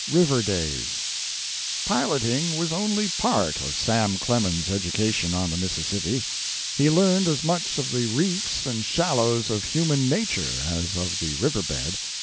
RIVER DAYS Piloting was only a part of Sam Clemens's education on the Mississippi. He learned as much of the reefs and shallows of human nature as of the river bed.